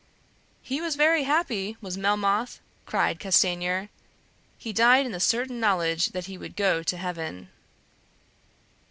"He was very happy, was Melmoth!" cried Castanier. "He died in the certain knowledge that he would go to heaven."